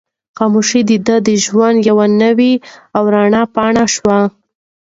خاموشي د ده د ژوند یوه نوې او رڼه پاڼه شوه.